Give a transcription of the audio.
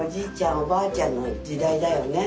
おばあちゃんのじだいだよね。